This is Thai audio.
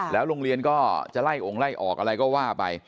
โรงเรียนก็จะไล่องค์ไล่ออกอะไรก็ว่าไป